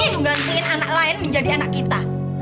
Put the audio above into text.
untuk ngantuin anak lain menjadi anak kita